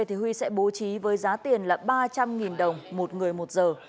thì huy sẽ bố trí với giá tiền là ba trăm linh đồng một người một giờ